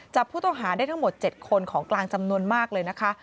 จับผู้ต้องหาได้ทั้งหมด๗คนของกลางจำนวนมากเลยนะคะ